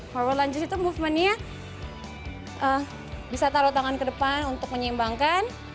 hoverlanjus itu movementnya bisa taruh tangan ke depan untuk menyeimbangkan